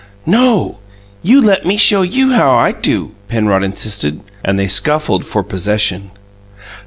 "No; you let me show you how I do!" Penrod insisted; and they scuffled for possession.